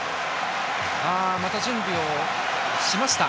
また準備をしました。